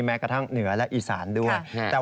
แม้กระทั่งเหนือและอีสานด้วย